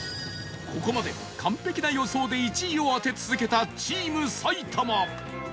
ここまで完璧な予想で１位を当て続けたチーム埼玉